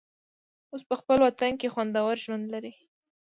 اوس په خپل وطن کې خوندور ژوند لري.